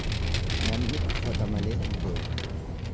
Namni uffata malee hin deemu.